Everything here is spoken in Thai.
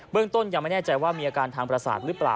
เรื่องต้นยังไม่แน่ใจว่ามีอาการทางประสาทหรือเปล่า